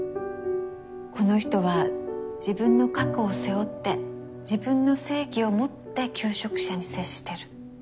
この人は自分の過去を背負って自分の正義を持って求職者に接してる。